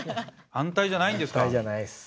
安泰じゃないッス。